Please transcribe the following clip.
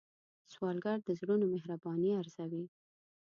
سوالګر د زړونو مهرباني ارزوي